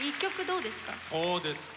そうですか？